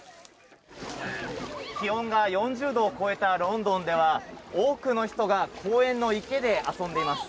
気温が４０度を超えたロンドンでは、多くの人が公園の池で遊んでいます。